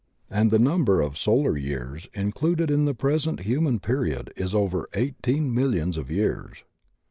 And the number of solar years included in the present "human" period is over eighteen millions of years.